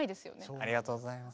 ありがとうございます。